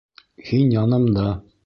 Һин янымда